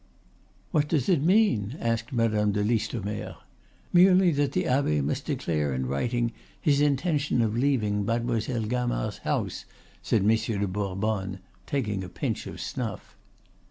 "What does it mean?" asked Madame de Listomere. "Merely that the abbe must declare in writing his intention of leaving Mademoiselle Gamard's house," said Monsieur de Bourbonne, taking a pinch of snuff.